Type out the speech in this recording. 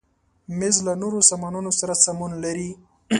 مېز له نورو سامانونو سره سمون لري.